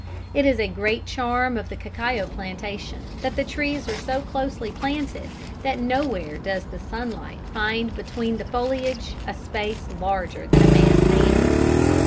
It is a great charm of the cacao plantation that the trees are so closely planted that nowhere does the sunlight find between the foliage a space larger than a man's hand.